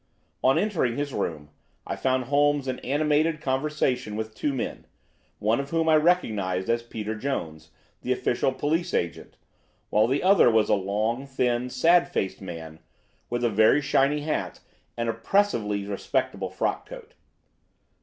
On entering his room, I found Holmes in animated conversation with two men, one of whom I recognised as Peter Jones, the official police agent, while the other was a long, thin, sad faced man, with a very shiny hat and oppressively respectable frock coat.